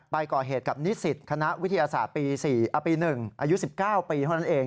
ไปก่อเหตุกับนิสิตคณะวิทยาศาสตร์ปี๔ปี๑อายุ๑๙ปีเท่านั้นเอง